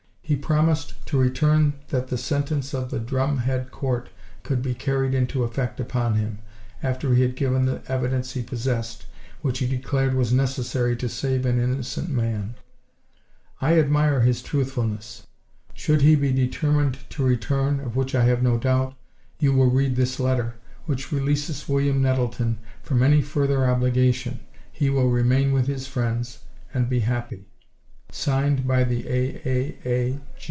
He promised to return that the sentence of the 'drum head court' could be carried into effect upon him, after he had given the evidence he possessed, which he declared was necessary to save an innocent man. I admire his truthfulness. Should he be determined to return, of which I have no doubt, you will read this letter, which releases William Nettleton from any further obligation. He will remain with his friends, and be happy. "Signed by the A. A. A.